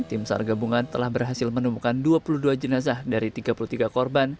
tim sar gabungan telah berhasil menemukan dua puluh dua jenazah dari tiga puluh tiga korban